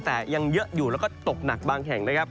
แต่ยังเยอะอยู่แล้วก็ตกหนักบางแห่งนะครับ